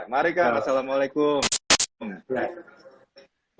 mari kang assalamualaikum